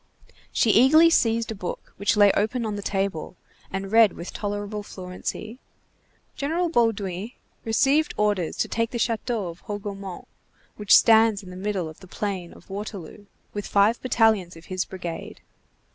She eagerly seized a book which lay open on the table, and read with tolerable fluency:— "—General Bauduin received orders to take the château of Hougomont which stands in the middle of the plain of Waterloo, with five battalions of his brigade."